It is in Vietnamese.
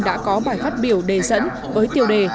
đã có bài phát biểu đề dẫn với tiêu đề